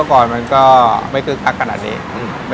เช่นอาชีพพายเรือขายก๋วยเตี๊ยว